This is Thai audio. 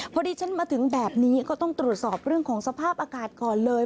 พอดีฉันมาถึงแบบนี้ก็ต้องตรวจสอบเรื่องของสภาพอากาศก่อนเลย